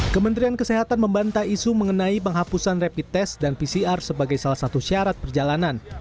kementerian kesehatan membanta isu mengenai penghapusan rapid test dan pcr sebagai salah satu syarat perjalanan